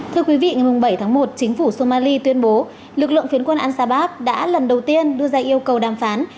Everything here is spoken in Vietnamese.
thưa quý vị ngày bảy tháng một chính phủ somali tuyên bố lực lượng phiến quân al sabab đã lần đầu tiên đưa ra yêu cầu đàm phán